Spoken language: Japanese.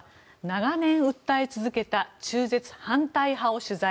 長年訴え続けた中絶反対派を取材。